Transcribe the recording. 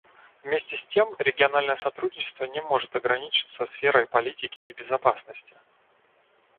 Вместе с тем региональное сотрудничество не может ограничиваться сферой политики и безопасности.